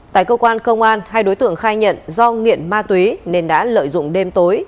tại cơ quan công an hai đối tượng khai nhận do nghiện ma túy nên đã lợi dụng đêm tối